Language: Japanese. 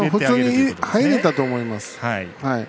普通に入れたと思います。